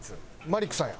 マリックさん。